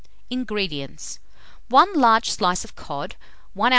INGREDIENTS. 1 large slice of cod, 1 oz.